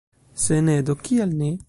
Se ne, do kial ne?